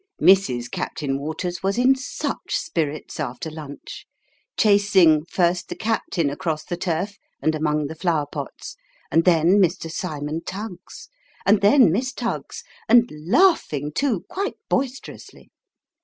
Mrs. Captain Waters was in such spirits after lunch ! chasing, first the captain across the turf, and among the flower pots ; and then Mr. Cymon Tuggs ; and then Miss Tuggs ; and laughing, too, quite boisterously.